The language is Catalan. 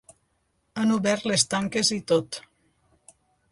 Han obert les tanques i tot.